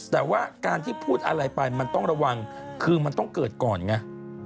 แต่ว่าการที่พูดอะไรไปมันต้องระวังคือมันต้องเกิดก่อนไง